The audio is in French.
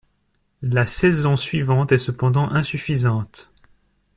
La saison suivante est cependant insuffisante.